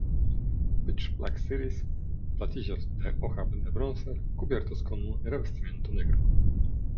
Pitch Black Series: Platillos de hoja de bronce, cubiertos con un revestimiento negro.